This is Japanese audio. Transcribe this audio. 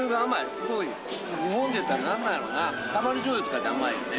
すごい日本で言ったらなんなんやろなたまり醤油とかって甘いよね